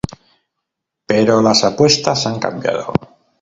Pero las apuestas han cambiado.